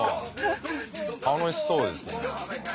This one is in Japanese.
楽しそうですね。